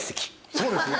そうですね。